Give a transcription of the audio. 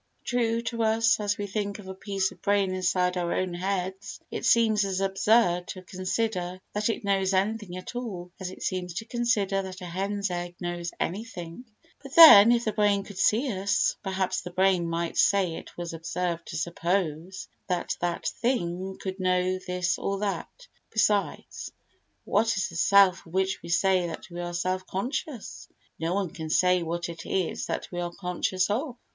True, to us, as we think of a piece of brain inside our own heads, it seems as absurd to consider that it knows anything at all as it seems to consider that a hen's egg knows anything; but then if the brain could see us, perhaps the brain might say it was absurd to suppose that that thing could know this or that. Besides what is the self of which we say that we are self conscious? No one can say what it is that we are conscious of.